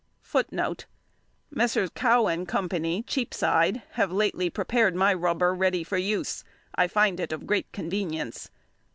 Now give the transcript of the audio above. Messrs. Cow and Co., Cheapside, have lately prepared my rubber ready for use. I find it of great convenience.